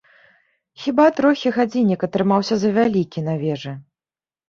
Хіба трохі гадзіннік атрымаўся завялікі на вежы.